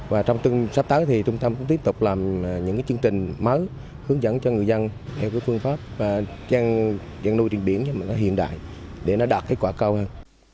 và trong sắp tới thì chúng ta cũng tiếp tục làm những chương trình mới hướng dẫn cho người dân theo phương pháp dân nuôi trên biển hiện đại để nó đạt cái quả cao hơn